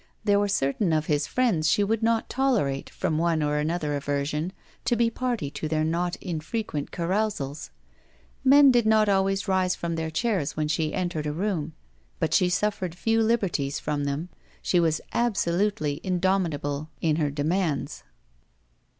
There were certain of his friends she would not tolerate, from one or another aversion, to be party to their not infrequent carousals. Men did not sdways rise from their chairs when she entered a room, but she suffered few liberties from them. She was absolutely indomitable in her demands.